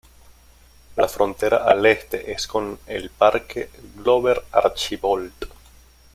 La frontera al este es con el Parque Glover-Archibold.